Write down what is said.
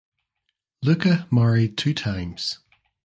Luka married two times.